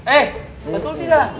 eh betul tidak